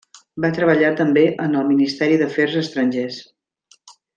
Va treballar també en el Ministeri d'Afers Estrangers.